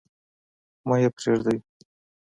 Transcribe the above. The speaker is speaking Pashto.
مه يې پريږدﺉ.